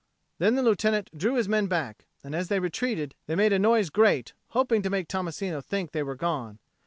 Then the Lieutenant drew his men back, and as they retreated they made a noise great hoping to make Tommasino think they were gone.